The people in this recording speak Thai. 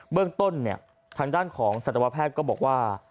เรื่องต้นเนี่ยทางด้านของสัตวแพทย์ก็บอกว่า